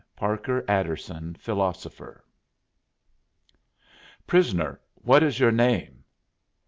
PARKER ADDERSON, PHILOSOPHER "Prisoner, what is your name?"